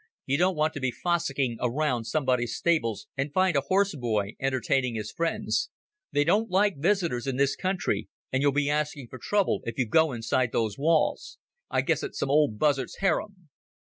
"You don't want to be fossicking around somebody's stables and find a horse boy entertaining his friends. They don't like visitors in this country; and you'll be asking for trouble if you go inside those walls. I guess it's some old Buzzard's harem."